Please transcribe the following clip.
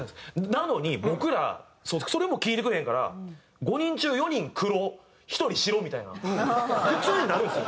なのに僕らそれも聞いてくれへんから５人中４人黒１人白みたいな普通になるんですよ。